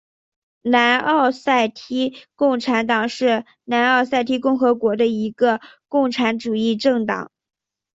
南奥塞梯共产党是南奥塞梯共和国的一个共产主义政党。